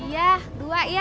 iya dua ya